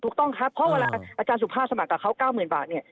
ถูกต้องครับเพราะเวลาอาจารย์สุภาพสมัครกับเขา๙๐๐บาทเนี่ย